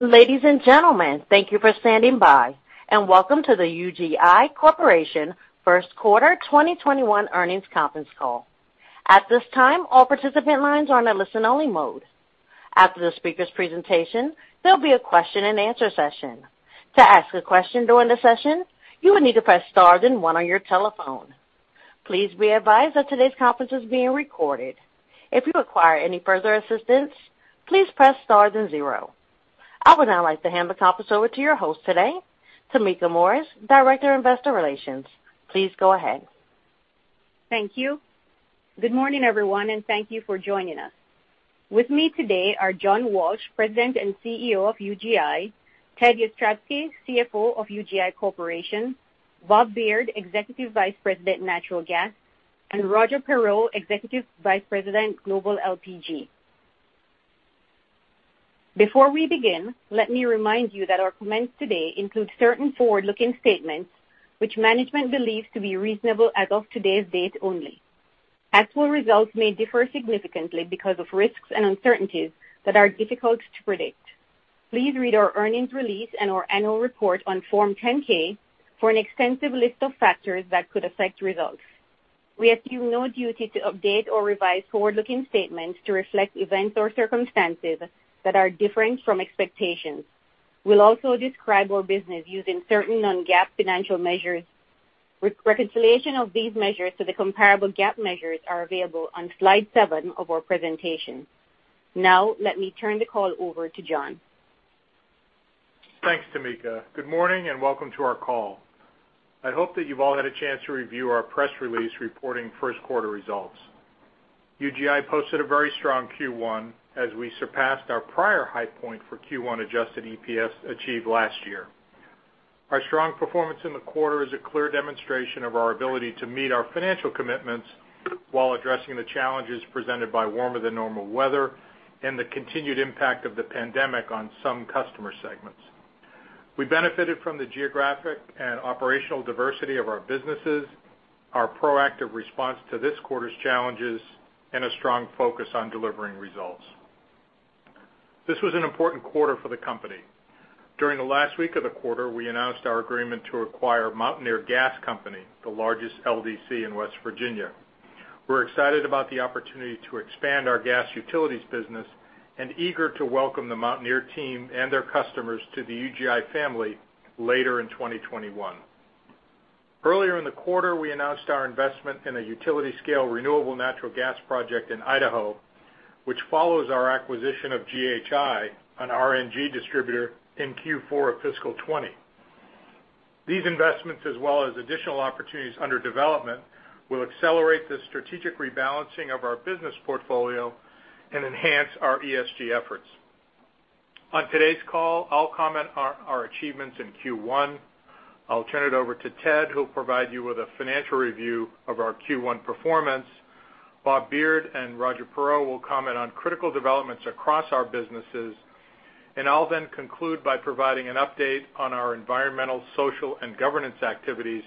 Ladies and gentlemen, thank you for standing by, and welcome to the UGI Corporation first quarter 2021 earnings conference call. I would now like to hand the conference over to your host today, Tameka Morris, Director of Investor Relations. Please go ahead. Thank you. Good morning, everyone, and thank you for joining us. With me today are John Walsh, President and CEO of UGI, Ted Jastrzebski, CFO of UGI Corporation, Bob Beard, Executive Vice President, Natural Gas, and Roger Perreault, Executive Vice President, Global LPG. Before we begin, let me remind you that our comments today include certain forward-looking statements which management believes to be reasonable as of today's date only. Actual results may differ significantly because of risks and uncertainties that are difficult to predict. Please read our earnings release and our annual report on Form 10-K for an extensive list of factors that could affect results. We assume no duty to update or revise forward-looking statements to reflect events or circumstances that are different from expectations. We'll also describe our business using certain non-GAAP financial measures. Reconciliation of these measures to the comparable GAAP measures are available on slide seven of our presentation. Let me turn the call over to John. Thanks, Tameka. Good morning, and welcome to our call. I hope that you've all had a chance to review our press release reporting first quarter results. UGI posted a very strong Q1 as we surpassed our prior high point for Q1 adjusted EPS achieved last year. Our strong performance in the quarter is a clear demonstration of our ability to meet our financial commitments while addressing the challenges presented by warmer-than-normal weather and the continued impact of the pandemic on some customer segments. We benefited from the geographic and operational diversity of our businesses, our proactive response to this quarter's challenges, and a strong focus on delivering results. This was an important quarter for the company. During the last week of the quarter, we announced our agreement to acquire Mountaineer Gas Company, the largest LDC in West Virginia. We're excited about the opportunity to expand our gas utilities business and eager to welcome the Mountaineer Gas Company team and their customers to the UGI Corporation family later in 2021. Earlier in the quarter, we announced our investment in a utility-scale renewable natural gas project in Idaho, which follows our acquisition of GHI Energy, LLC, an RNG distributor, in Q4 of fiscal 2020. These investments, as well as additional opportunities under development, will accelerate the strategic rebalancing of our business portfolio and enhance our ESG efforts. On today's call, I'll comment on our achievements in Q1. I'll turn it over to Ted Jastrzebski, who'll provide you with a financial review of our Q1 performance. Bob Beard and Roger Perreault will comment on critical developments across our businesses, and I'll then conclude by providing an update on our environmental, social, and governance activities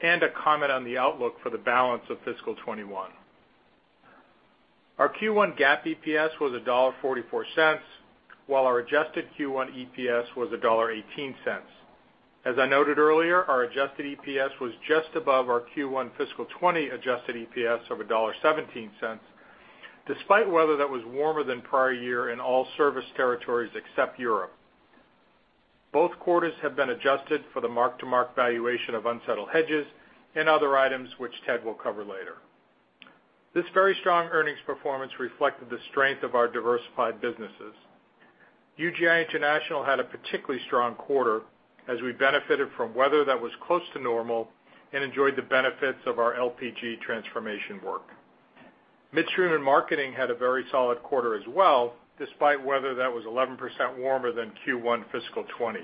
and a comment on the outlook for the balance of fiscal 2021. Our Q1 GAAP EPS was $1.44, while our adjusted Q1 EPS was $1.18. As I noted earlier, our adjusted EPS was just above our Q1 fiscal 2020 adjusted EPS of $1.17, despite weather that was warmer than prior year in all service territories except Europe. Both quarters have been adjusted for the mark-to-market valuation of unsettled hedges and other items, which Ted will cover later. This very strong earnings performance reflected the strength of our diversified businesses. UGI International had a particularly strong quarter as we benefited from weather that was close to normal and enjoyed the benefits of our LPG transformation work. Midstream & Marketing had a very solid quarter as well, despite weather that was 11% warmer than Q1 fiscal 2020.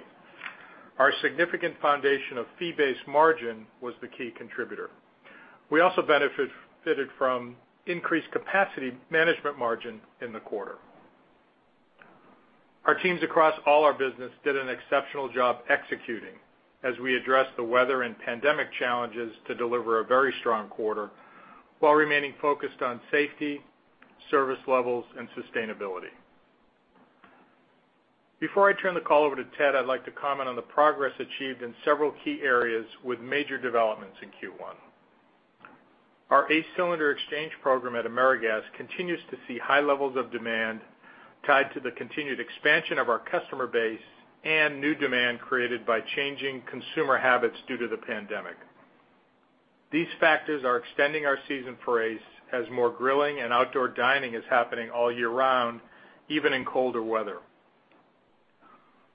Our significant foundation of fee-based margin was the key contributor. We also benefited from increased capacity management margin in the quarter. Our teams across all our business did an exceptional job executing as we addressed the weather and pandemic challenges to deliver a very strong quarter while remaining focused on safety, service levels, and sustainability. Before I turn the call over to Ted, I'd like to comment on the progress achieved in several key areas with major developments in Q1. Our ACE cylinder exchange program at AmeriGas continues to see high levels of demand tied to the continued expansion of our customer base and new demand created by changing consumer habits due to the pandemic. These factors are extending our season for ACE as more grilling and outdoor dining is happening all year round, even in colder weather.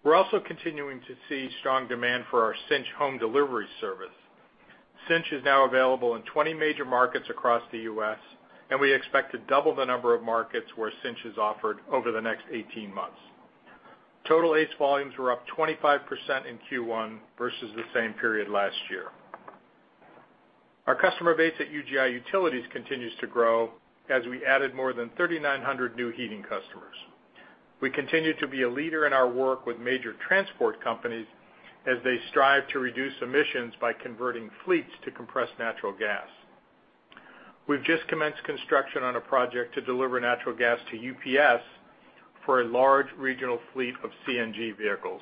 We're also continuing to see strong demand for our Cynch home delivery service. Cynch is now available in 20 major markets across the U.S., and we expect to double the number of markets where Cynch is offered over the next 18 months. Total ACE volumes were up 25% in Q1 versus the same period last year. Our customer base at UGI Utilities continues to grow as we added more than 3,900 new heating customers. We continue to be a leader in our work with major transport companies as they strive to reduce emissions by converting fleets to compressed natural gas. We've just commenced construction on a project to deliver natural gas to UPS for a large regional fleet of CNG vehicles.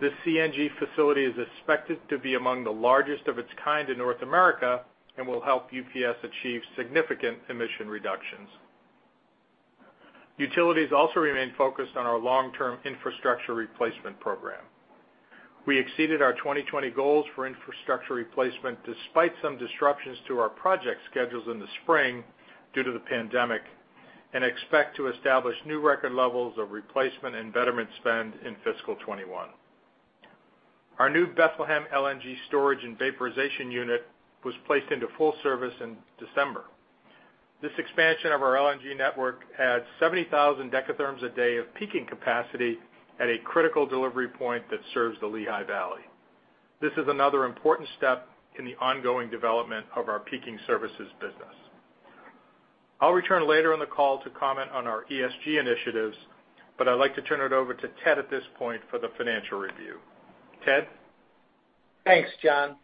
This CNG facility is expected to be among the largest of its kind in North America and will help UPS achieve significant emission reductions. Utilities also remain focused on our long-term infrastructure replacement program. We exceeded our 2020 goals for infrastructure replacement despite some disruptions to our project schedules in the spring due to the pandemic and expect to establish new record levels of replacement and betterment spend in fiscal 2021. Our new Bethlehem LNG storage and vaporization unit was placed into full service in December. This expansion of our LNG network adds 70,000 Dth a day of peaking capacity at a critical delivery point that serves the Lehigh Valley. This is another important step in the ongoing development of our peaking services business. I'll return later in the call to comment on our ESG initiatives, but I'd like to turn it over to Ted at this point for the financial review. Ted? Thanks, John.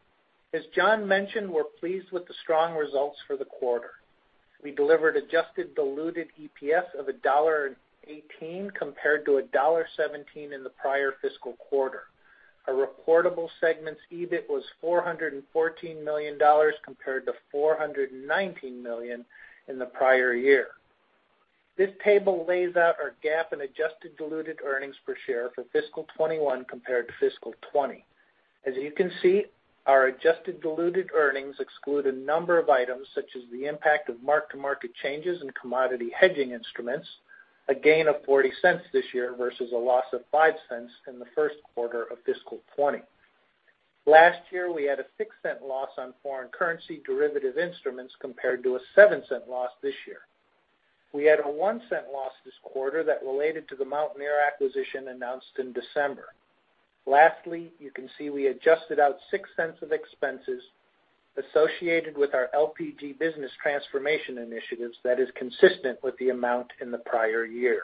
As John mentioned, we're pleased with the strong results for the quarter. We delivered adjusted diluted EPS of $1.18 compared to $1.17 in the prior fiscal quarter. Our reportable segment's EBIT was $414 million compared to $419 million in the prior year. This table lays out our GAAP and adjusted diluted earnings per share for fiscal 2021 compared to fiscal 2020. As you can see, our adjusted diluted earnings exclude a number of items, such as the impact of mark-to-market changes in commodity hedging instruments, a gain of $0.40 this year versus a loss of $0.05 in the first quarter of fiscal 2020. Last year, we had a $0.06 loss on foreign currency derivative instruments compared to a $0.07 loss this year. We had a $0.01 loss this quarter that related to the Mountaineer acquisition announced in December. Lastly, you can see we adjusted out $0.06 of expenses associated with our LPG business transformation initiatives that is consistent with the amount in the prior year.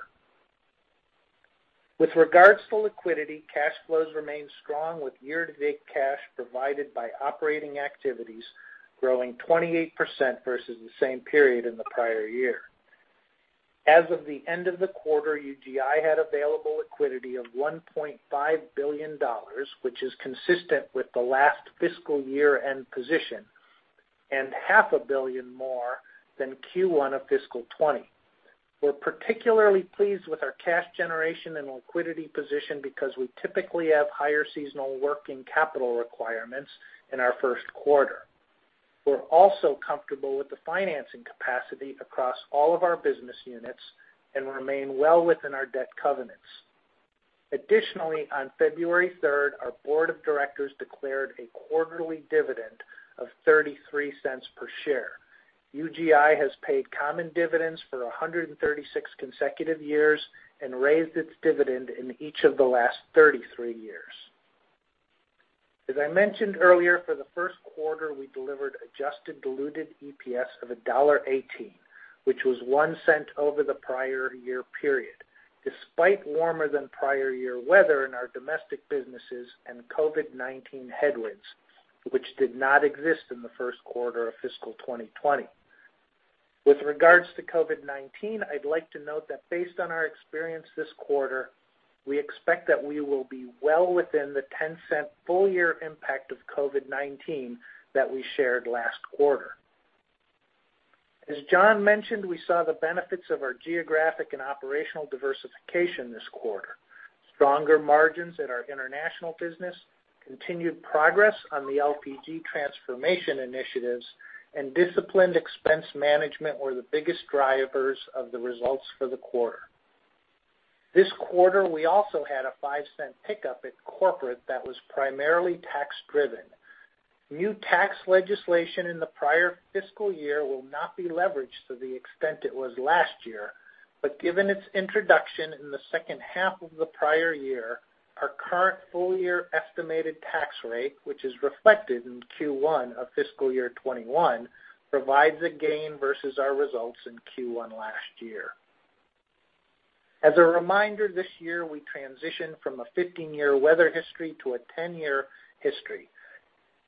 With regards to liquidity, cash flows remain strong with year-to-date cash provided by operating activities growing 28% versus the same period in the prior year. As of the end of the quarter, UGI had available liquidity of $1.5 billion, which is consistent with the last fiscal year-end position and half a billion more than Q1 of fiscal 2020. We're particularly pleased with our cash generation and liquidity position because we typically have higher seasonal working capital requirements in our first quarter. We're also comfortable with the financing capacity across all of our business units and remain well within our debt covenants. Additionally, on February 3rd, our board of directors declared a quarterly dividend of $0.33 per share. UGI has paid common dividends for 136 consecutive years and raised its dividend in each of the last 33 years. As I mentioned earlier, for the first quarter, we delivered adjusted diluted EPS of $1.18, which was $0.01 over the prior year period, despite warmer than prior year weather in our domestic businesses and COVID-19 headwinds, which did not exist in the first quarter of fiscal 2020. With regards to COVID-19, I'd like to note that based on our experience this quarter, we expect that we will be well within the $0.10 full-year impact of COVID-19 that we shared last quarter. As John mentioned, we saw the benefits of our geographic and operational diversification this quarter. Stronger margins in our international business, continued progress on the LPG transformation initiatives, and disciplined expense management were the biggest drivers of the results for the quarter. This quarter, we also had a $0.05 pickup at corporate that was primarily tax-driven. New tax legislation in the prior fiscal year will not be leveraged to the extent it was last year, but given its introduction in the second half of the prior year, our current full-year estimated tax rate, which is reflected in Q1 of fiscal year 2021, provides a gain versus our results in Q1 last year. As a reminder, this year, we transitioned from a 15-year weather history to a 10-year history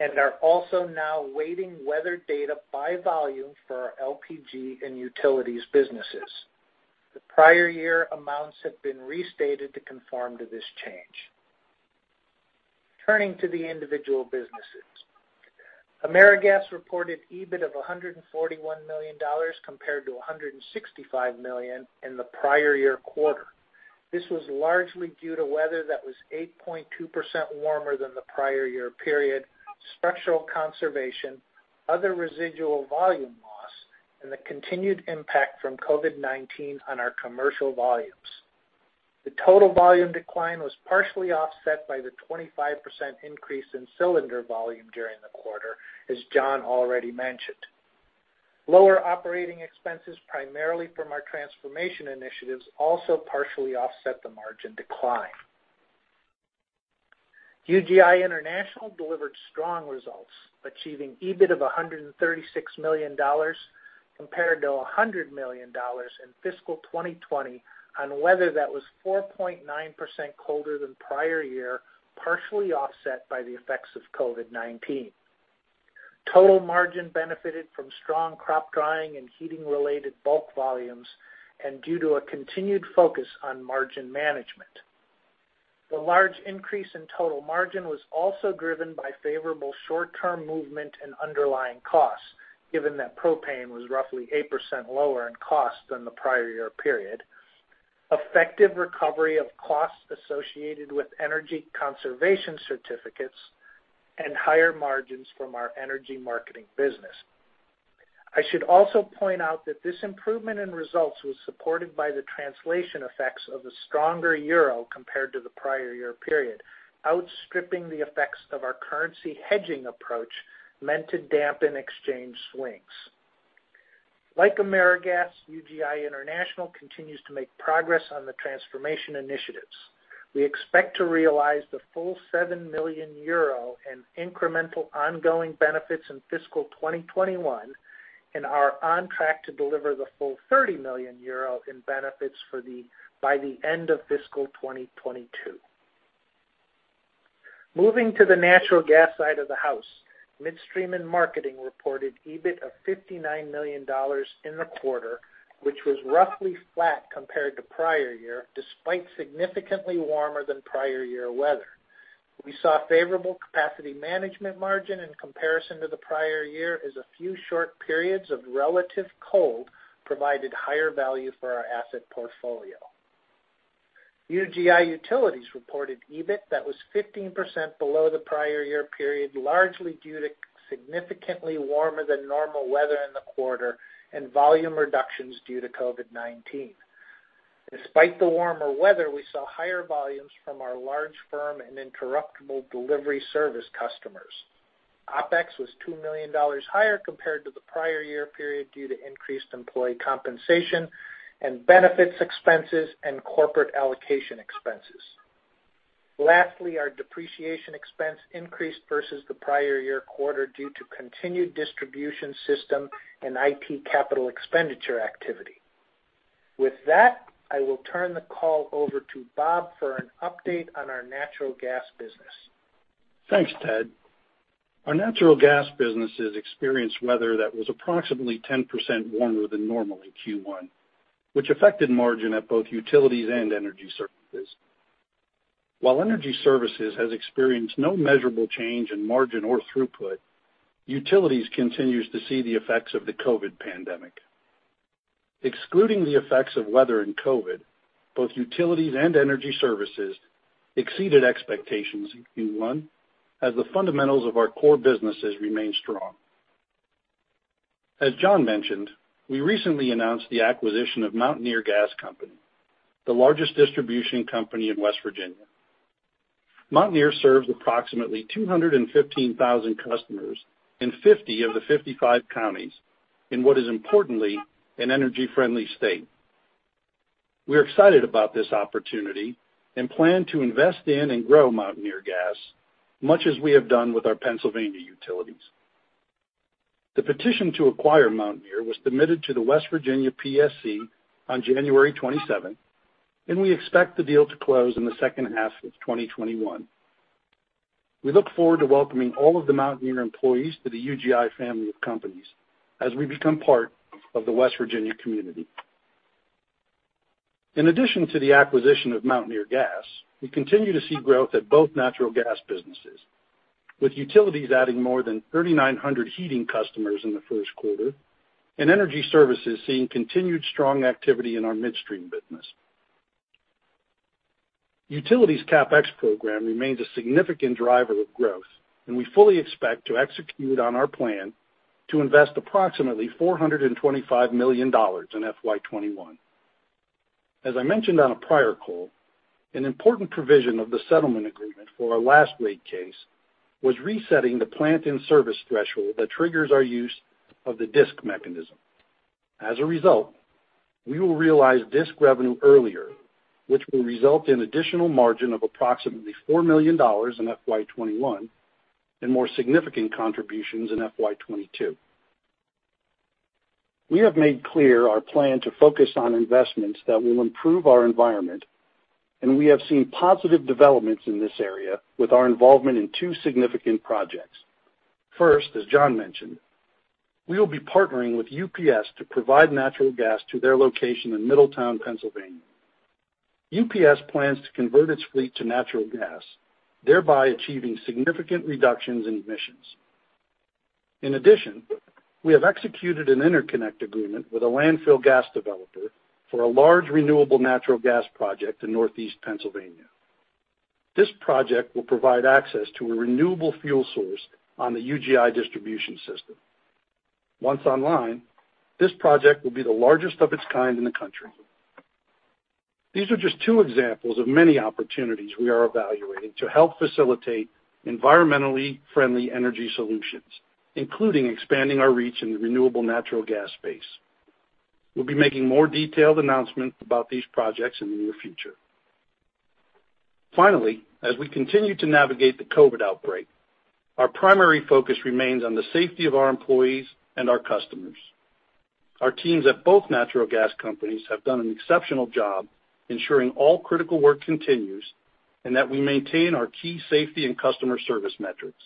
and are also now weighting weather data by volume for our LPG and utilities businesses. The prior year amounts have been restated to conform to this change. Turning to the individual businesses. AmeriGas reported EBIT of $141 million compared to $165 million in the prior year quarter. This was largely due to weather that was 8.2% warmer than the prior year period, structural conservation, other residual volume loss, and the continued impact from COVID-19 on our commercial volumes. The total volume decline was partially offset by the 25% increase in cylinder volume during the quarter, as John already mentioned. Lower operating expenses, primarily from our transformation initiatives, also partially offset the margin decline. UGI International delivered strong results, achieving EBIT of $136 million, compared to $100 million in fiscal 2020 on weather that was 4.9% colder than prior year, partially offset by the effects of COVID-19. Total margin benefited from strong crop drying and heating-related bulk volumes and due to a continued focus on margin management. The large increase in total margin was also driven by favorable short-term movement in underlying costs, given that propane was roughly 8% lower in cost than the prior year period. Effective recovery of costs associated with energy conservation certificates and higher margins from our energy marketing business. I should also point out that this improvement in results was supported by the translation effects of the stronger euro compared to the prior year period, outstripping the effects of our currency hedging approach meant to dampen exchange swings. Like AmeriGas, UGI International continues to make progress on the transformation initiatives. We expect to realize the full 7 million euro in incremental ongoing benefits in fiscal 2021, and are on track to deliver the full 30 million euro in benefits by the end of fiscal 2022. Moving to the natural gas side of the house, Midstream & Marketing reported EBIT of $59 million in the quarter, which was roughly flat compared to prior year, despite significantly warmer than prior year weather. We saw favorable capacity management margin in comparison to the prior year, as a few short periods of relative cold provided higher value for our asset portfolio. UGI Utilities reported EBIT that was 15% below the prior year period, largely due to significantly warmer than normal weather in the quarter and volume reductions due to COVID-19. Despite the warmer weather, we saw higher volumes from our large firm and interruptible delivery service customers. OpEx was $2 million higher compared to the prior year period due to increased employee compensation and benefits expenses and corporate allocation expenses. Lastly, our depreciation expense increased versus the prior year quarter due to continued distribution system and IT capital expenditure activity. With that, I will turn the call over to Bob for an update on our natural gas business. Thanks, Ted. Our natural gas businesses experienced weather that was approximately 10% warmer than normal in Q1, which affected margin at both utilities and energy services. While energy services has experienced no measurable change in margin or throughput, utilities continues to see the effects of the COVID pandemic. Excluding the effects of weather and COVID, both utilities and energy services exceeded expectations in Q1, as the fundamentals of our core businesses remain strong. As John mentioned, we recently announced the acquisition of Mountaineer Gas Company, the largest distribution company in West Virginia. Mountaineer serves approximately 215,000 customers in 50 of the 55 counties in what is importantly an energy-friendly state. We're excited about this opportunity and plan to invest in and grow Mountaineer Gas, much as we have done with our Pennsylvania utilities. The petition to acquire Mountaineer was submitted to the West Virginia PSC on January 27th, and we expect the deal to close in the second half of 2021. We look forward to welcoming all of the Mountaineer employees to the UGI family of companies as we become part of the West Virginia community. In addition to the acquisition of Mountaineer Gas, we continue to see growth at both natural gas businesses, with utilities adding more than 3,900 heating customers in the first quarter, and energy services seeing continued strong activity in our midstream business. Utilities' CapEx program remains a significant driver of growth, and we fully expect to execute on our plan to invest approximately $425 million in FY 2021. As I mentioned on a prior call, an important provision of the settlement agreement for our last rate case was resetting the plant and service threshold that triggers our use of the DSIC mechanism. As a result, we will realize DSIC revenue earlier, which will result in additional margin of approximately $4 million in FY 2021, and more significant contributions in FY 2022. We have made clear our plan to focus on investments that will improve our environment, and we have seen positive developments in this area with our involvement in two significant projects. First, as John mentioned, we will be partnering with UPS to provide natural gas to their location in Middletown, Pennsylvania. UPS plans to convert its fleet to natural gas, thereby achieving significant reductions in emissions. In addition, we have executed an interconnect agreement with a landfill gas developer for a large renewable natural gas project in Northeast Pennsylvania. This project will provide access to a renewable fuel source on the UGI distribution system. Once online, this project will be the largest of its kind in the country. These are just two examples of many opportunities we are evaluating to help facilitate environmentally friendly energy solutions, including expanding our reach in the renewable natural gas space. We'll be making more detailed announcements about these projects in the near future. As we continue to navigate the COVID outbreak, our primary focus remains on the safety of our employees and our customers. Our teams at both natural gas companies have done an exceptional job ensuring all critical work continues and that we maintain our key safety and customer service metrics.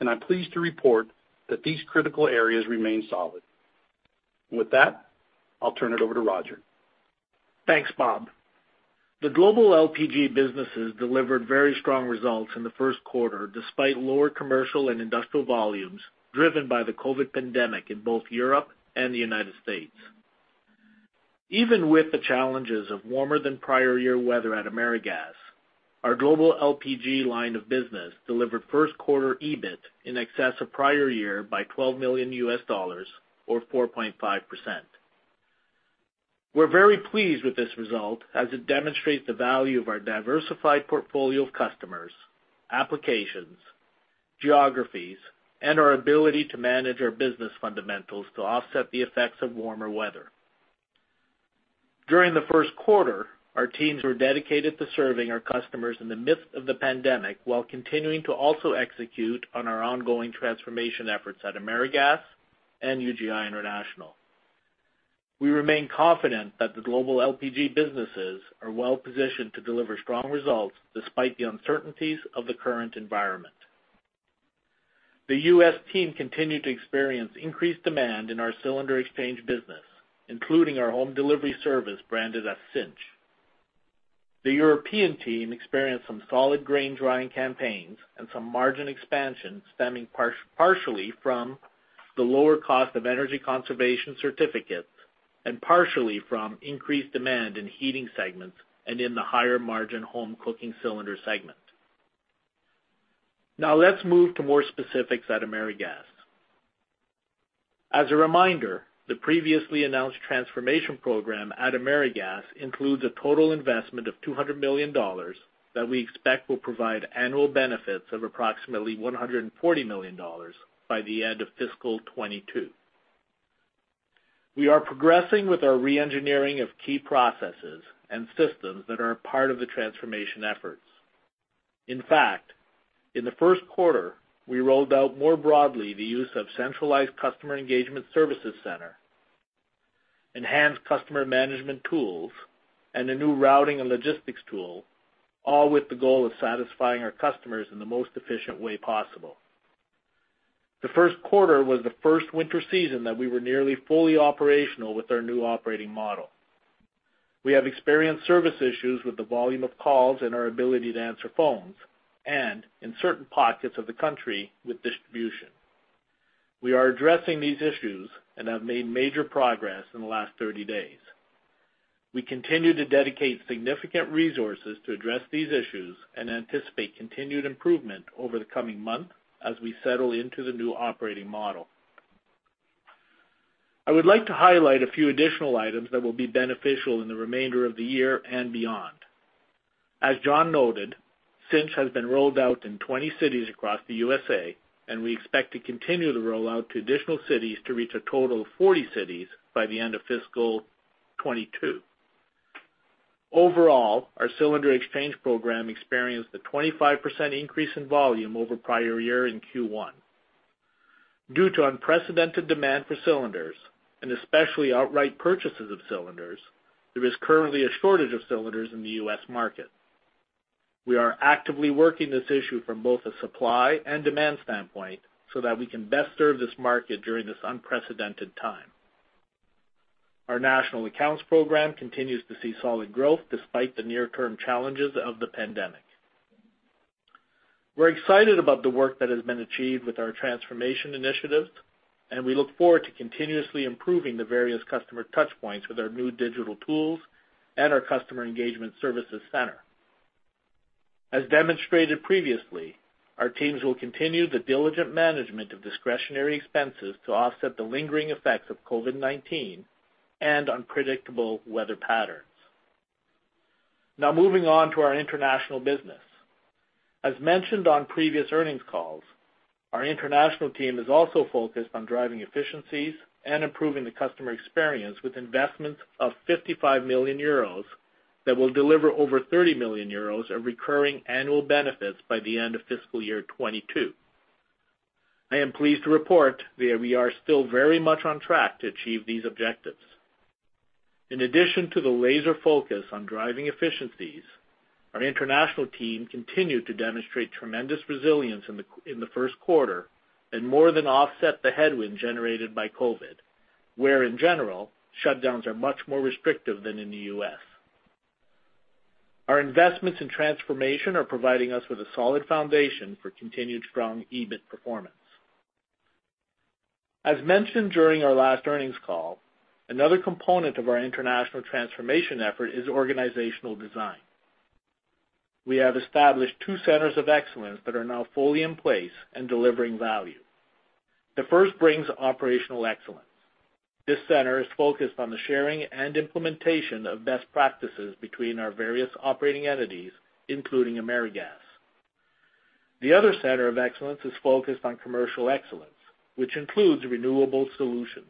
I'm pleased to report that these critical areas remain solid. With that, I'll turn it over to Roger. Thanks, Bob. The global LPG businesses delivered very strong results in the first quarter, despite lower commercial and industrial volumes driven by the COVID pandemic in both Europe and the United States. Even with the challenges of warmer than prior year weather at AmeriGas, our global LPG line of business delivered first quarter EBIT in excess of prior year by $12 million or 4.5%. We're very pleased with this result as it demonstrates the value of our diversified portfolio of customers, applications, geographies, and our ability to manage our business fundamentals to offset the effects of warmer weather. During the first quarter, our teams were dedicated to serving our customers in the midst of the pandemic while continuing to also execute on our ongoing transformation efforts at AmeriGas and UGI International. We remain confident that the global LPG businesses are well-positioned to deliver strong results despite the uncertainties of the current environment. The U.S. team continued to experience increased demand in our cylinder exchange business, including our home delivery service branded as Cynch. The European team experienced some solid grain drying campaigns and some margin expansion stemming partially from the lower cost of energy conservation certificates and partially from increased demand in heating segments and in the higher margin home cooking cylinder segment. Let's move to more specifics at AmeriGas. As a reminder, the previously announced transformation program at AmeriGas includes a total investment of $200 million that we expect will provide annual benefits of approximately $140 million by the end of fiscal 2022. We are progressing with our re-engineering of key processes and systems that are a part of the transformation efforts. In fact, in the first quarter, we rolled out more broadly the use of centralized customer engagement services center, enhanced customer management tools, and a new routing and logistics tool, all with the goal of satisfying our customers in the most efficient way possible. The first quarter was the first winter season that we were nearly fully operational with our new operating model. We have experienced service issues with the volume of calls and our ability to answer phones, and in certain pockets of the country with distribution. We are addressing these issues and have made major progress in the last 30 days. We continue to dedicate significant resources to address these issues and anticipate continued improvement over the coming month as we settle into the new operating model. I would like to highlight a few additional items that will be beneficial in the remainder of the year and beyond. As John noted, Cynch has been rolled out in 20 cities across the U.S., and we expect to continue the rollout to additional cities to reach a total of 40 cities by the end of fiscal 2022. Overall, our cylinder exchange program experienced a 25% increase in volume over prior year in Q1. Due to unprecedented demand for cylinders, and especially outright purchases of cylinders, there is currently a shortage of cylinders in the U.S. market. We are actively working this issue from both a supply and demand standpoint so that we can best serve this market during this unprecedented time. Our national accounts program continues to see solid growth despite the near-term challenges of the pandemic. We're excited about the work that has been achieved with our transformation initiatives, and we look forward to continuously improving the various customer touchpoints with our new digital tools and our customer engagement services center. As demonstrated previously, our teams will continue the diligent management of discretionary expenses to offset the lingering effects of COVID-19 and unpredictable weather patterns. Now moving on to our international business. As mentioned on previous earnings calls, our international team is also focused on driving efficiencies and improving the customer experience with investments of 55 million euros that will deliver over 30 million euros of recurring annual benefits by the end of fiscal year 2022. I am pleased to report that we are still very much on track to achieve these objectives. In addition to the laser focus on driving efficiencies, our international team continued to demonstrate tremendous resilience in the first quarter and more than offset the headwind generated by COVID, where in general, shutdowns are much more restrictive than in the U.S. Our investments in transformation are providing us with a solid foundation for continued strong EBIT performance. As mentioned during our last earnings call, another component of our international transformation effort is organizational design. We have established two centers of excellence that are now fully in place and delivering value. The first brings operational excellence. This center is focused on the sharing and implementation of best practices between our various operating entities, including AmeriGas. The other center of excellence is focused on commercial excellence, which includes renewable solutions.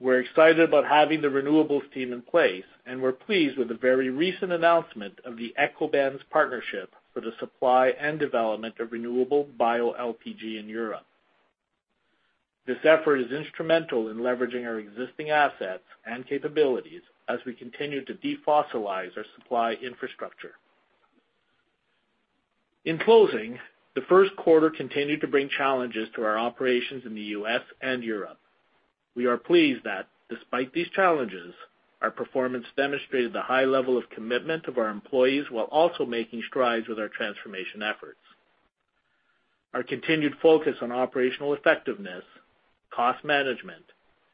We're excited about having the renewables team in place, and we're pleased with the very recent announcement of the Ekobenz partnership for the supply and development of renewable bio LPG in Europe. This effort is instrumental in leveraging our existing assets and capabilities as we continue to defossilize our supply infrastructure. In closing, the first quarter continued to bring challenges to our operations in the U.S. and Europe. We are pleased that despite these challenges, our performance demonstrated the high level of commitment of our employees, while also making strides with our transformation efforts. Our continued focus on operational effectiveness, cost management,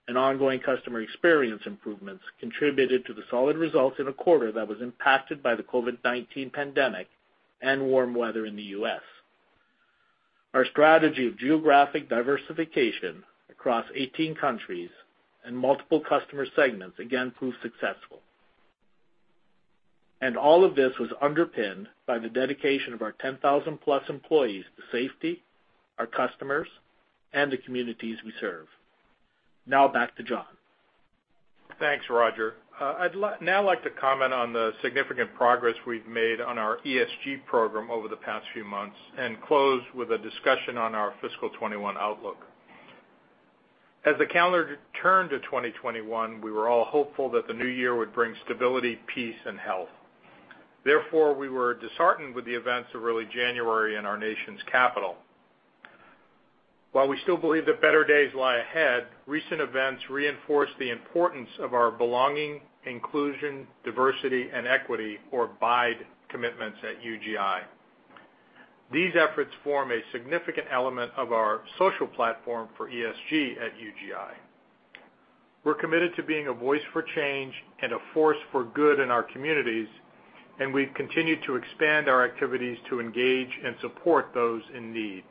and ongoing customer experience improvements contributed to the solid results in a quarter that was impacted by the COVID-19 pandemic and warm weather in the U.S. Our strategy of geographic diversification across 18 countries and multiple customer segments again proved successful. All of this was underpinned by the dedication of our 10,000+ employees to safety, our customers, and the communities we serve. Now back to John. Thanks, Roger. I'd now like to comment on the significant progress we've made on our ESG program over the past few months and close with a discussion on our fiscal 2021 outlook. As the calendar turned to 2021, we were all hopeful that the new year would bring stability, peace, and health. We were disheartened with the events of early January in our nation's capital. While we still believe that better days lie ahead, recent events reinforce the importance of our belonging, inclusion, diversity, and equity or BIDE commitments at UGI. These efforts form a significant element of our social platform for ESG at UGI. We're committed to being a voice for change and a force for good in our communities, we've continued to expand our activities to engage and support those in need.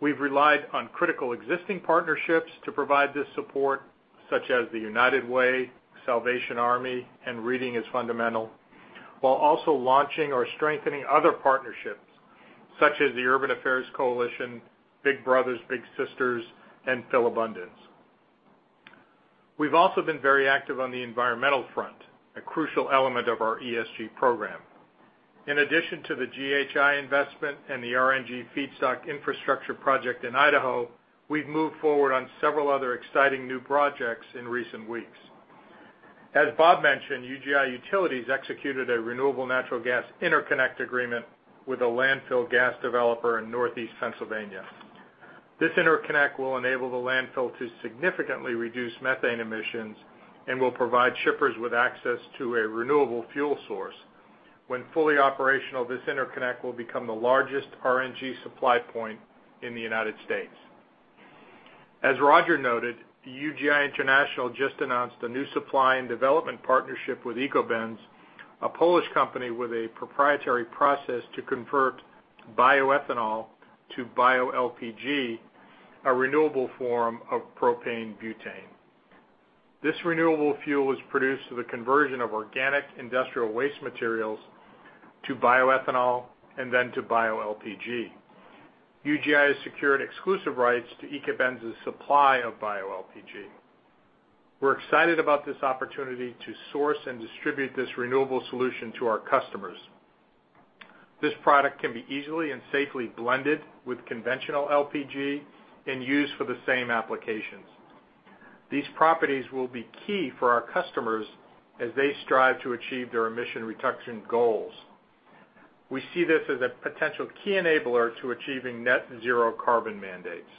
We've relied on critical existing partnerships to provide this support, such as the United Way, The Salvation Army, and Reading Is Fundamental, while also launching or strengthening other partnerships such as the Urban Affairs Coalition, Big Brothers Big Sisters, and Philabundance. We've also been very active on the environmental front, a crucial element of our ESG program. In addition to the GHI investment and the RNG feedstock infrastructure project in Idaho, we've moved forward on several other exciting new projects in recent weeks. As Bob mentioned, UGI Utilities executed a renewable natural gas interconnect agreement with a landfill gas developer in Northeast Pennsylvania. This interconnect will enable the landfill to significantly reduce methane emissions and will provide shippers with access to a renewable fuel source. When fully operational, this interconnect will become the largest RNG supply point in the U.S. As Roger noted, UGI International just announced a new supply and development partnership with Ekobenz, a Polish company with a proprietary process to convert bioethanol to bio LPG, a renewable form of propane butane. This renewable fuel is produced through the conversion of organic industrial waste materials to bioethanol and then to bio LPG. UGI has secured exclusive rights to Ekobenz's supply of bio LPG. We're excited about this opportunity to source and distribute this renewable solution to our customers. This product can be easily and safely blended with conventional LPG and used for the same applications. These properties will be key for our customers as they strive to achieve their emission reduction goals. We see this as a potential key enabler to achieving net zero carbon mandates.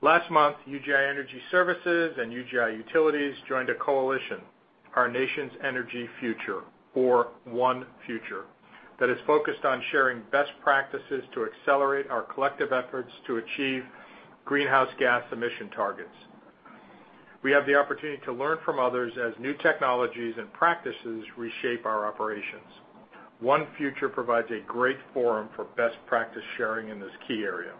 Last month, UGI Energy Services and UGI Utilities joined a coalition, Our Nation's Energy Future or ONE Future, that is focused on sharing best practices to accelerate our collective efforts to achieve greenhouse gas emission targets. We have the opportunity to learn from others as new technologies and practices reshape our operations. ONE Future provides a great forum for best practice sharing in this key area.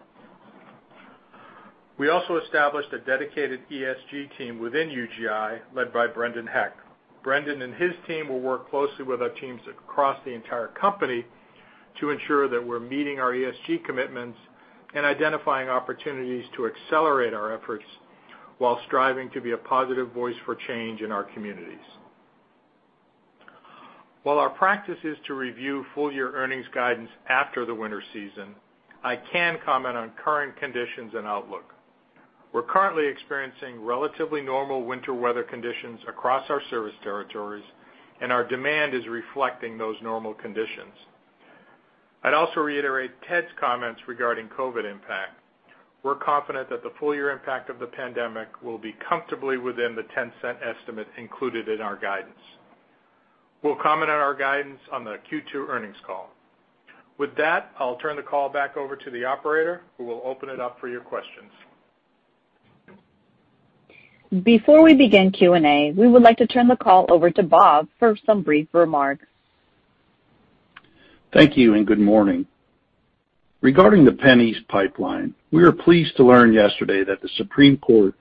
We also established a dedicated ESG team within UGI, led by Brendan Heck. Brendan and his team will work closely with our teams across the entire company to ensure that we're meeting our ESG commitments and identifying opportunities to accelerate our efforts while striving to be a positive voice for change in our communities. While our practice is to review full-year earnings guidance after the winter season, I can comment on current conditions and outlook. We're currently experiencing relatively normal winter weather conditions across our service territories, and our demand is reflecting those normal conditions. I'd also reiterate Ted's comments regarding COVID impact. We're confident that the full-year impact of the pandemic will be comfortably within the $0.10 estimate included in our guidance. We'll comment on our guidance on the Q2 earnings call. With that, I'll turn the call back over to the operator, who will open it up for your questions. Before we begin Q&A, we would like to turn the call over to Bob for some brief remarks. Thank you, and good morning. Regarding the PennEast Pipeline, we are pleased to learn yesterday that the Supreme Court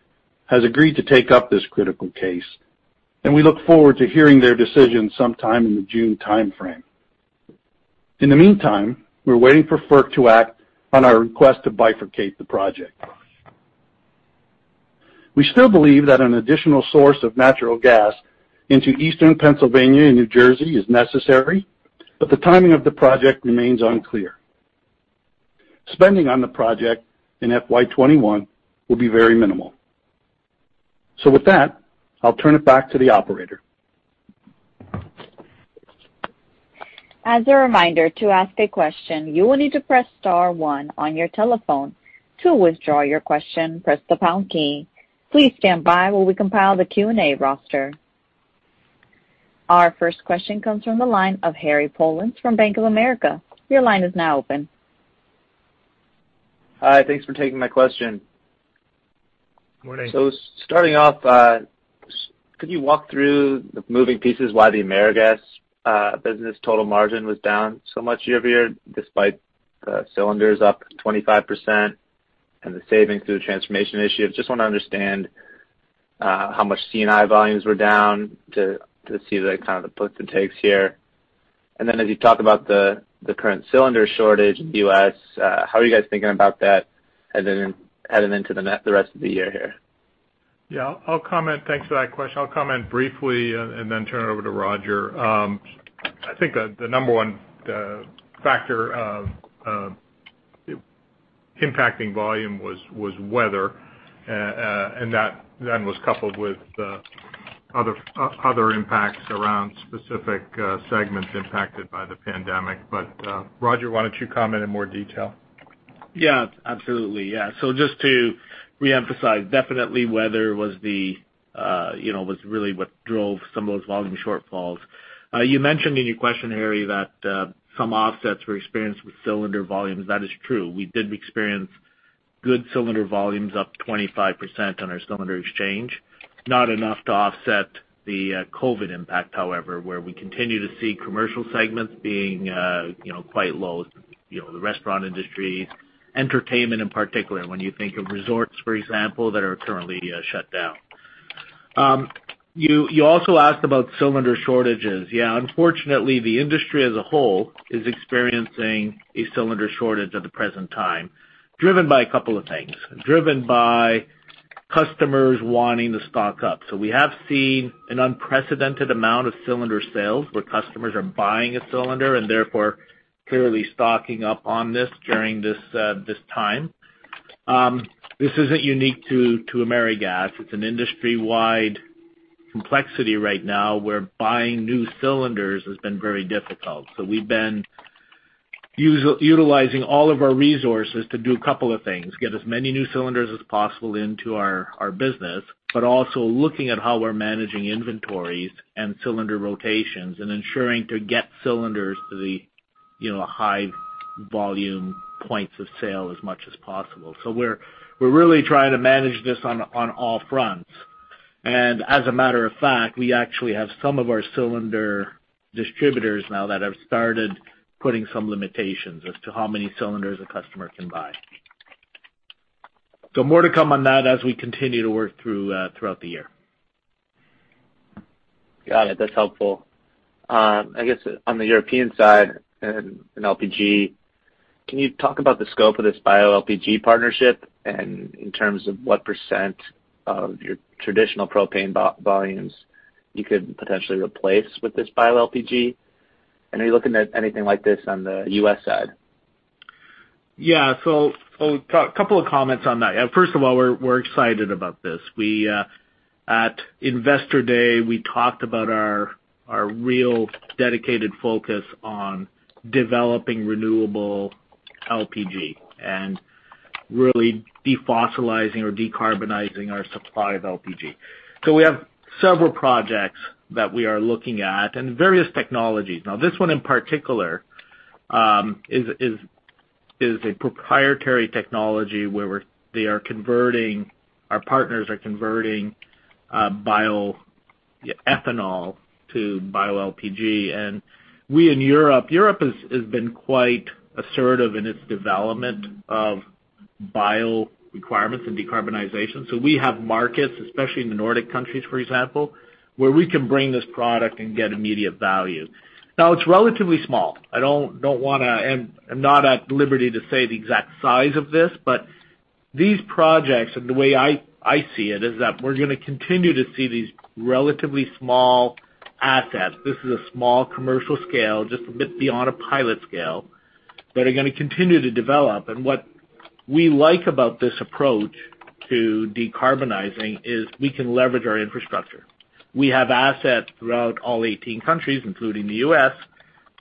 has agreed to take up this critical case, and we look forward to hearing their decision sometime in the June timeframe. In the meantime, we're waiting for FERC to act on our request to bifurcate the project. We still believe that an additional source of natural gas into Eastern Pennsylvania and New Jersey is necessary, but the timing of the project remains unclear. Spending on the project in FY 2021 will be very minimal. With that, I'll turn it back to the operator. As a reminder, to ask a question, you will need to press star one on your telephone. To withdraw your question, press the pound key. Please stand by while we compile the Q&A roster. Our first question comes from the line of Harry Pollans from Bank of America. Your line is now open. Hi, thanks for taking my question. Morning. Starting off, could you walk through the moving pieces why the AmeriGas business total margin was down so much year-over-year, despite the cylinders up 25% and the savings through the transformation initiatives? Just want to understand how much C&I volumes were down to see the kind of the puts and takes here. As you talk about the current cylinder shortage in the U.S., how are you guys thinking about that heading into the rest of the year here? Yeah, thanks for that question. I'll comment briefly and then turn it over to Roger. I think the number 1 factor impacting volume was weather, and that then was coupled with other impacts around specific segments impacted by the pandemic. Roger, why don't you comment in more detail? Absolutely. Just to reemphasize, definitely weather was really what drove some of those volume shortfalls. You mentioned in your question, Harry, that some offsets were experienced with cylinder volumes. That is true. We did experience good cylinder volumes up 25% on our cylinder exchange. Not enough to offset the COVID impact, however, where we continue to see commercial segments being quite low. The restaurant industry, entertainment in particular, when you think of resorts, for example, that are currently shut down. You also asked about cylinder shortages. Yeah, unfortunately, the industry as a whole is experiencing a cylinder shortage at the present time, driven by a couple of things. Driven by customers wanting to stock up. We have seen an unprecedented amount of cylinder sales where customers are buying a cylinder and therefore clearly stocking up on this during this time. This isn't unique to AmeriGas. It's an industry-wide complexity right now, where buying new cylinders has been very difficult. We've been utilizing all of our resources to do a couple of things, get as many new cylinders as possible into our business, but also looking at how we're managing inventories and cylinder rotations and ensuring to get cylinders to the high volume points of sale as much as possible. We're really trying to manage this on all fronts. As a matter of fact, we actually have some of our cylinder distributors now that have started putting some limitations as to how many cylinders a customer can buy. More to come on that as we continue to work throughout the year. Got it. That's helpful. I guess on the European side and in LPG, can you talk about the scope of this bioLPG partnership and in terms of what % of your traditional propane volumes you could potentially replace with this bioLPG? Are you looking at anything like this on the U.S. side? Yeah. A couple of comments on that. First of all, we're excited about this. At Investor Day, we talked about our real dedicated focus on developing renewable LPG and really defossilizing or decarbonizing our supply of LPG. We have several projects that we are looking at and various technologies. Now, this one in particular, is a proprietary technology where our partners are converting bioethanol to bioLPG. We in Europe. Europe has been quite assertive in its development of bio requirements and decarbonization. We have markets, especially in the Nordic countries, for example, where we can bring this product and get immediate value. Now, it's relatively small. I'm not at liberty to say the exact size of this. These projects, and the way I see it, is that we're going to continue to see these relatively small assets. This is a small commercial scale, just a bit beyond a pilot scale, that are going to continue to develop. What we like about this approach to decarbonizing is we can leverage our infrastructure. We have assets throughout all 18 countries, including the U.S.,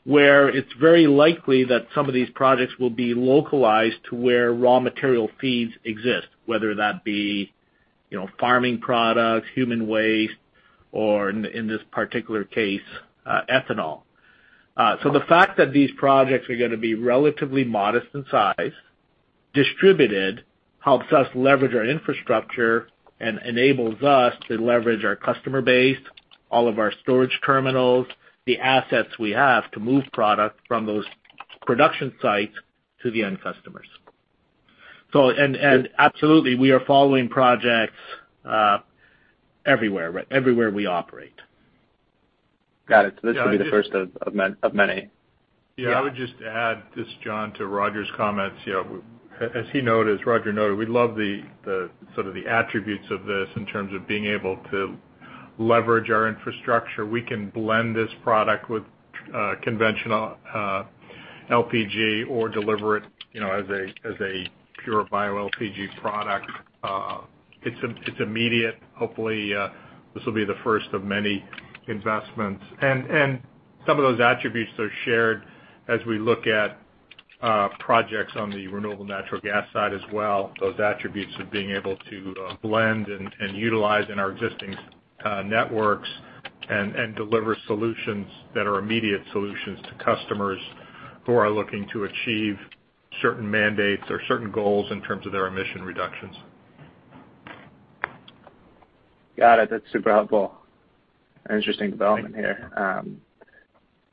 where it's very likely that some of these projects will be localized to where raw material feeds exist, whether that be farming products, human waste, or in this particular case, ethanol. The fact that these projects are going to be relatively modest in size helps us leverage our infrastructure and enables us to leverage our customer base, all of our storage terminals, the assets we have to move product from those production sites to the end customers. Absolutely, we are following projects everywhere we operate. Got it. This will be the first of many. Yeah. I would just add this, John, to Roger's comments. As Roger noted, we love the attributes of this in terms of being able to leverage our infrastructure. We can blend this product with conventional LPG or deliver it as a pure bioLPG product. It's immediate. Hopefully, this will be the first of many investments. Some of those attributes are shared as we look at projects on the renewable natural gas side as well. Those attributes of being able to blend and utilize in our existing networks and deliver solutions that are immediate solutions to customers who are looking to achieve certain mandates or certain goals in terms of their emission reductions. Got it. That's super helpful. An interesting development here.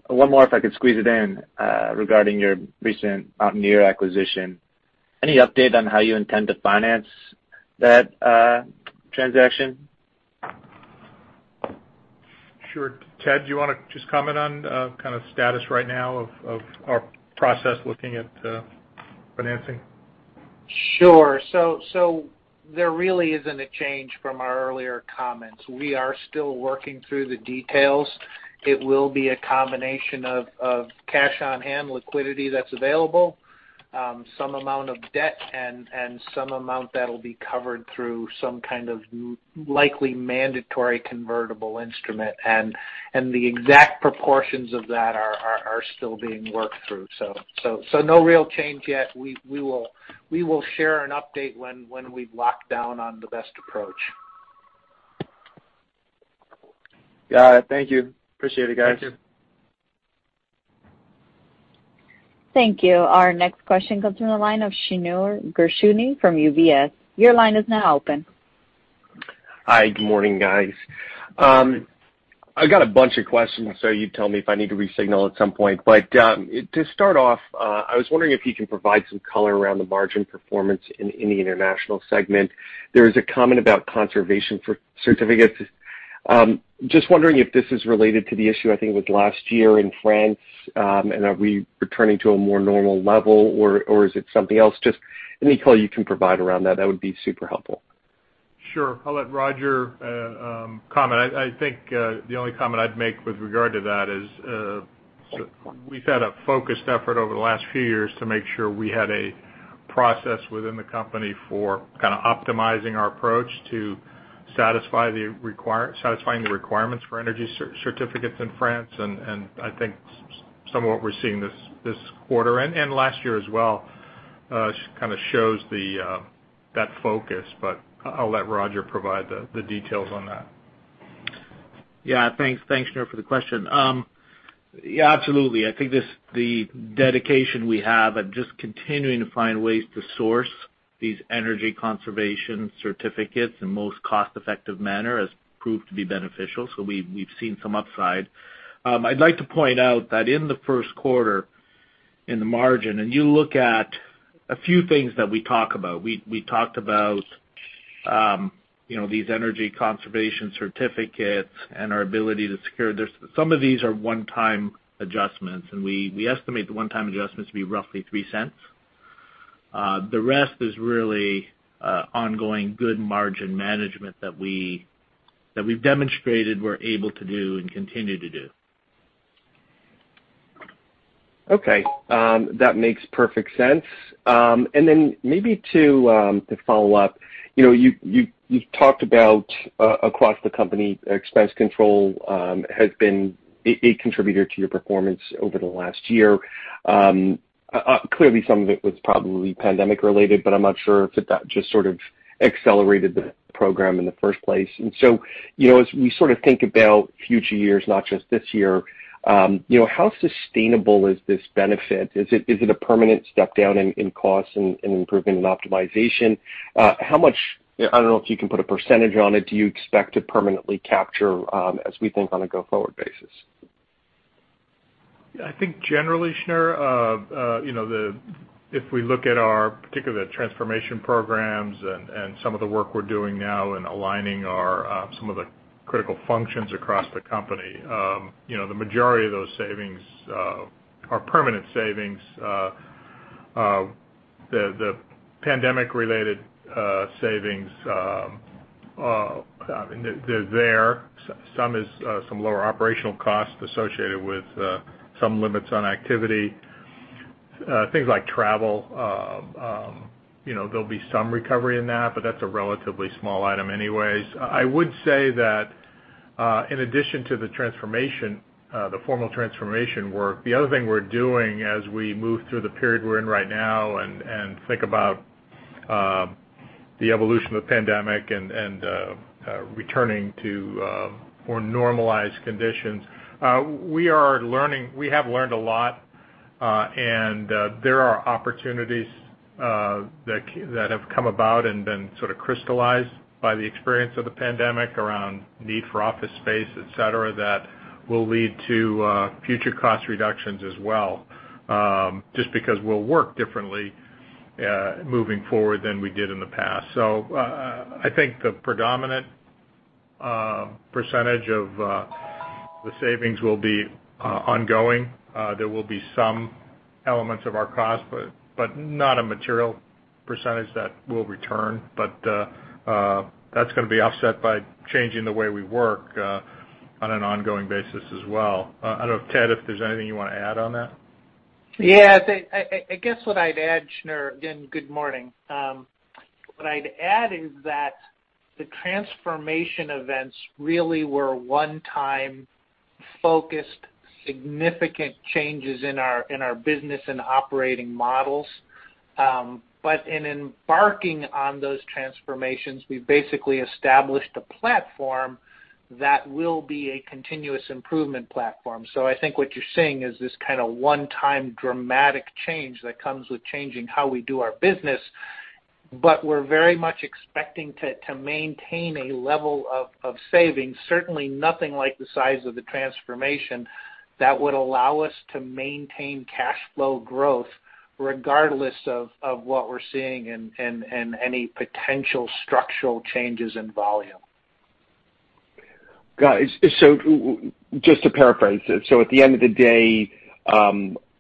One more if I could squeeze it in, regarding your recent Mountaineer acquisition. Any update on how you intend to finance that transaction? Sure. Ted, do you want to just comment on kind of status right now of our process looking at financing? Sure. There really isn't a change from our earlier comments. We are still working through the details. It will be a combination of cash on hand liquidity that's available, some amount of debt and some amount that'll be covered through some kind of likely mandatory convertible instrument. The exact proportions of that are still being worked through. No real change yet. We will share an update when we've locked down on the best approach. Got it. Thank you. Appreciate it, guys. Thank you. Thank you. Our next question comes from the line of Shneur Gershuni from UBS. Your line is now open. Hi. Good morning, guys. I got a bunch of questions. You tell me if I need to re-signal at some point. To start off, I was wondering if you can provide some color around the margin performance in the International segment. There is a comment about conservation certificates. Just wondering if this is related to the issue, I think it was last year in France. Are we returning to a more normal level or is it something else? Just any color you can provide around that would be super helpful. Sure. I'll let Roger comment. I think the only comment I'd make with regard to that is we've had a focused effort over the last few years to make sure we had a process within the company for kind of optimizing our approach to satisfying the requirements for energy certificates in France. I think some of what we're seeing this quarter and last year as well kind of shows that focus. I'll let Roger provide the details on that. Yeah. Thanks, Shneur, for the question. Yeah, absolutely. I think the dedication we have at just continuing to find ways to source these energy conservation certificates in the most cost-effective manner has proved to be beneficial. We've seen some upside. I'd like to point out that in the first quarter, in the margin, you look at a few things that we talk about. We talked about these energy conservation certificates and our ability to secure some of these are one-time adjustments. We estimate the one-time adjustments to be roughly $0.03. The rest is really ongoing good margin management that we've demonstrated we're able to do and continue to do. Okay. That makes perfect sense. Maybe to follow up. You've talked about, across the company, expense control has been a contributor to your performance over the last year. Clearly, some of it was probably pandemic related, but I'm not sure if that just sort of accelerated the program in the first place. As we sort of think about future years, not just this year, how sustainable is this benefit? Is it a permanent step down in costs and improvement in optimization? I don't know if you can put a percentage on it. Do you expect to permanently capture as we think on a go-forward basis? I think generally, Shneur, if we look at our particular transformation programs and some of the work we're doing now in aligning some of the critical functions across the company, the majority of those savings are permanent savings. The pandemic-related savings, they're there. Some is some lower operational costs associated with some limits on activity. Things like travel, there'll be some recovery in that, but that's a relatively small item anyways. I would say that in addition to the formal transformation work, the other thing we're doing as we move through the period we're in right now and think about the evolution of the pandemic and returning to more normalized conditions. We have learned a lot, and there are opportunities that have come about and been sort of crystallized by the experience of the pandemic around need for office space, et cetera, that will lead to future cost reductions as well, just because we'll work differently moving forward than we did in the past. I think the predominant percentage of the savings will be ongoing. There will be some elements of our cost, but not a material percentage that will return. That's going to be offset by changing the way we work on an ongoing basis as well. I don't know, Ted, if there's anything you want to add on that? I guess what I'd add, Shneur, again, good morning. What I'd add is that the transformation events really were one-time focused, significant changes in our business and operating models. In embarking on those transformations, we've basically established a platform that will be a continuous improvement platform. I think what you're seeing is this kind of one-time dramatic change that comes with changing how we do our business, but we're very much expecting to maintain a level of savings, certainly nothing like the size of the transformation, that would allow us to maintain cash flow growth regardless of what we're seeing and any potential structural changes in volume. Got it. Just to paraphrase it, at the end of the day,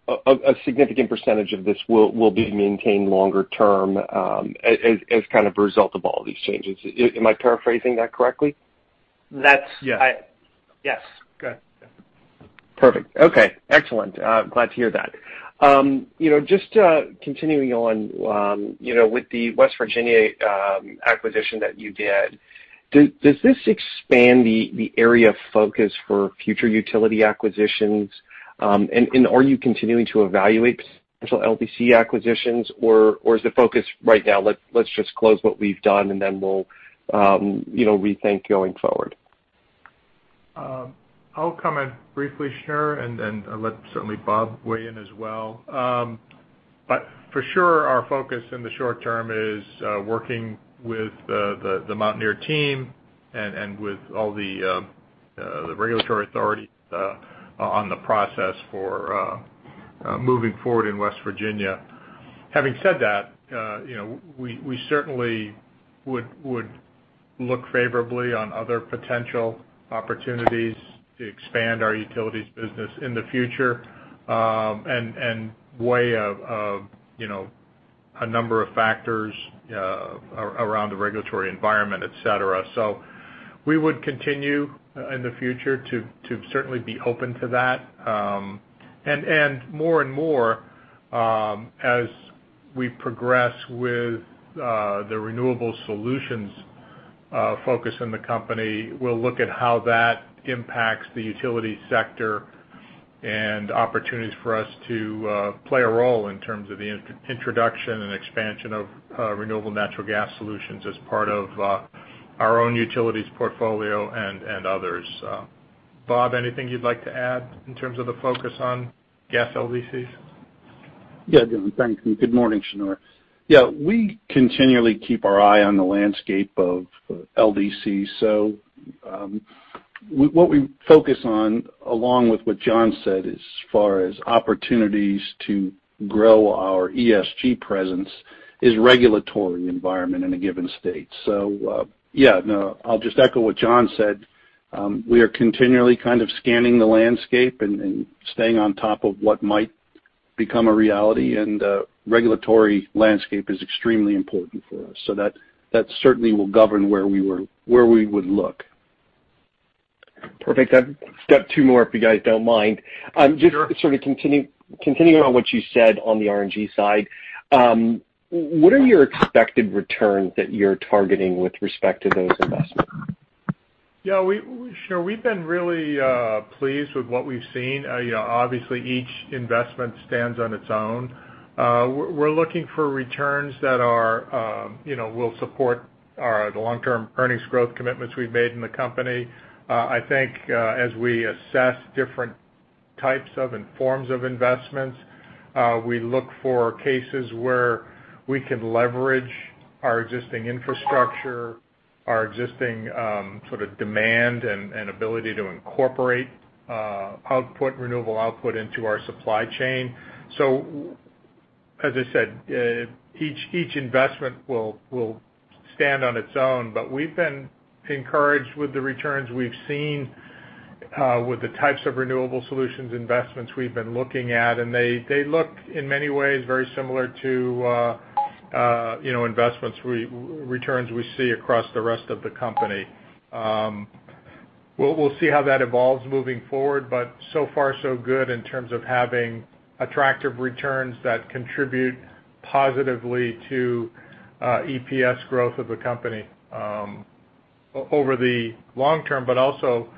a significant percentage of this will be maintained longer term as kind of a result of all these changes. Am I paraphrasing that correctly? That's- Yes. Yes. Perfect. Okay. Excellent. I'm glad to hear that. Just continuing on with the West Virginia acquisition that you did, does this expand the area of focus for future utility acquisitions? Are you continuing to evaluate potential LDC acquisitions, or is the focus right now, "Let's just close what we've done, and then we'll rethink going forward? I'll comment briefly, Shneur, and then I'll let certainly Bob weigh in as well. For sure, our focus in the short term is working with the Mountaineer team and with all the regulatory authorities on the process for moving forward in West Virginia. Having said that, we certainly would look favorably on other potential opportunities to expand our utilities business in the future, and way of a number of factors around the regulatory environment, et cetera. We would continue in the future to certainly be open to that. More and more as we progress with the renewable solutions focus in the company, we'll look at how that impacts the utility sector and opportunities for us to play a role in terms of the introduction and expansion of renewable natural gas solutions as part of our own utilities portfolio and others. Bob, anything you'd like to add in terms of the focus on gas LDCs? Yeah, John. Thanks, good morning, Shneur. Yeah, we continually keep our eye on the landscape of LDCs. What we focus on, along with what John said, as far as opportunities to grow our ESG presence, is regulatory environment in a given state. Yeah, no, I'll just echo what John said. We are continually kind of scanning the landscape and staying on top of what might become a reality, regulatory landscape is extremely important for us. That certainly will govern where we would look. Perfect. I've got two more, if you guys don't mind. Sure. Just to sort of continuing on what you said on the RNG side, what are your expected returns that you're targeting with respect to those investments? Yeah, Shneur, we've been really pleased with what we've seen. Obviously, each investment stands on its own. We're looking for returns that will support the long-term earnings growth commitments we've made in the company. I think as we assess different types of and forms of investments, we look for cases where we can leverage our existing infrastructure, our existing sort of demand and ability to incorporate renewable output into our supply chain. As I said, each investment will stand on its own, but we've been encouraged with the returns we've seen with the types of renewable solutions investments we've been looking at, and they look in many ways very similar to returns we see across the rest of the company. We'll see how that evolves moving forward, but so far so good in terms of having attractive returns that contribute positively to EPS growth of the company. Over the long term, also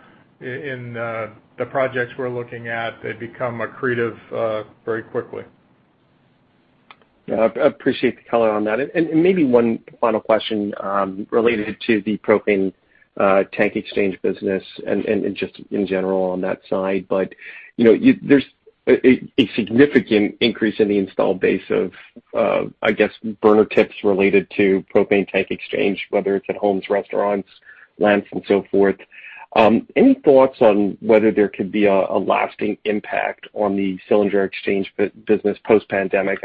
in the projects we're looking at, they become accretive very quickly. Yeah. I appreciate the color on that. Maybe one final question related to the propane tank exchange business and just in general on that side. There's a significant increase in the installed base of, I guess, burner tips related to propane tank exchange, whether it's at homes, restaurants, lamps, and so forth. Any thoughts on whether there could be a lasting impact on the cylinder exchange business post-pandemic?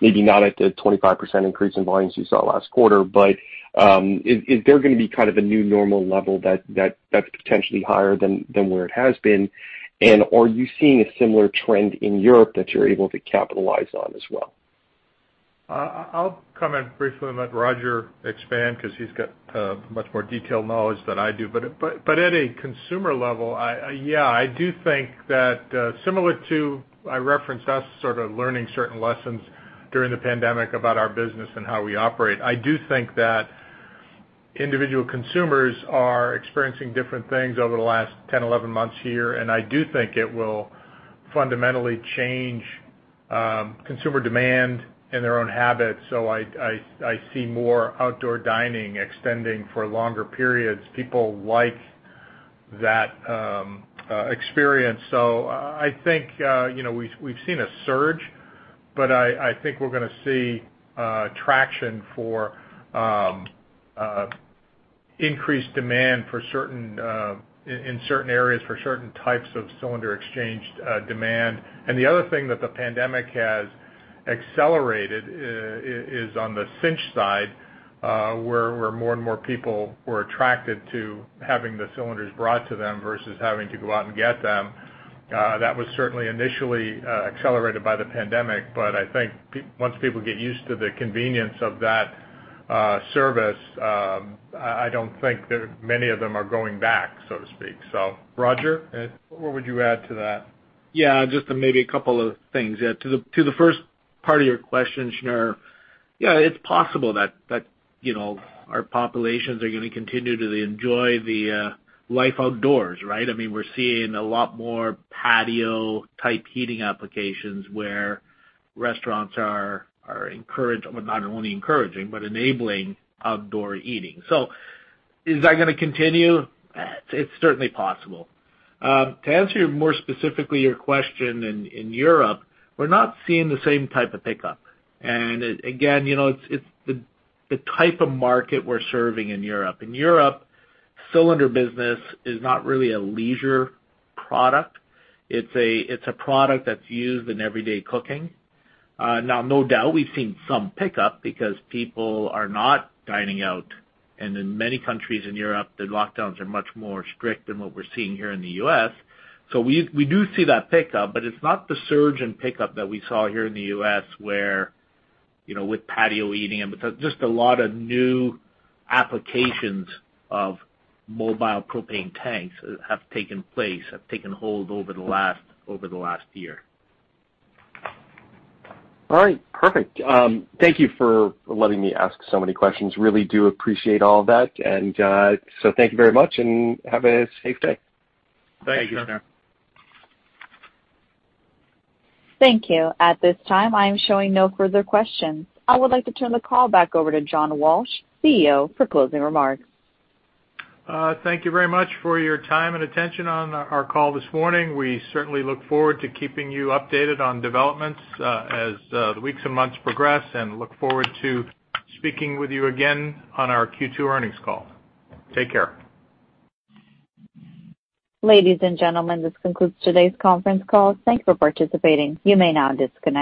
Maybe not at the 25% increase in volumes you saw last quarter, is there going to be kind of a new normal level that's potentially higher than where it has been? Are you seeing a similar trend in Europe that you're able to capitalize on as well? I'll comment briefly and let Roger expand, because he's got much more detailed knowledge than I do. At a consumer level, yeah, I do think that similar to, I referenced us sort of learning certain lessons during the pandemic about our business and how we operate. I do think that individual consumers are experiencing different things over the last 10, 11 months here, and I do think it will fundamentally change consumer demand and their own habits. I see more outdoor dining extending for longer periods. People like that experience. I think we've seen a surge, but I think we're going to see traction for increased demand in certain areas for certain types of cylinder exchange demand. The other thing that the pandemic has accelerated is on the Cynch side, where more and more people were attracted to having the cylinders brought to them versus having to go out and get them. That was certainly initially accelerated by the pandemic, but I think once people get used to the convenience of that service, I don't think many of them are going back, so to speak. Roger, what would you add to that? Just maybe a couple of things. To the first part of your question, Shneur, it's possible that our populations are going to continue to enjoy the life outdoors, right? We're seeing a lot more patio-type heating applications where restaurants are encouraged, or not only encouraging, but enabling outdoor eating. Is that going to continue? It's certainly possible. To answer more specifically your question in Europe, we're not seeing the same type of pickup. Again, it's the type of market we're serving in Europe. In Europe, cylinder business is not really a leisure product. It's a product that's used in everyday cooking. No doubt we've seen some pickup because people are not dining out, and in many countries in Europe, the lockdowns are much more strict than what we're seeing here in the U.S. We do see that pickup, but it's not the surge in pickup that we saw here in the U.S. with patio eating and because just a lot of new applications of mobile propane tanks have taken place, have taken hold over the last year. All right, perfect. Thank you for letting me ask so many questions. Really do appreciate all of that. Thank you very much, and have a safe day. Thanks, Shneur. Thank you. Thank you. At this time, I am showing no further questions. I would like to turn the call back over to John Walsh, CEO, for closing remarks. Thank you very much for your time and attention on our call this morning. We certainly look forward to keeping you updated on developments as the weeks and months progress, and look forward to speaking with you again on our Q2 earnings call. Take care. Ladies and gentlemen, this concludes today's conference call. Thank you for participating. You may now disconnect.